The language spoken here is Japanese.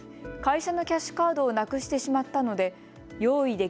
会社のキャッシュカードをなくしてしまったので用意